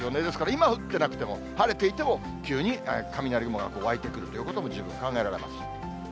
今降ってなくても、晴れていても、急に雷雲が湧いてくるということも十分考えられます。